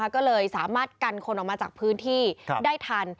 ก็เลยสามารถกันคนออกมาจากพื้นที่ได้ทัน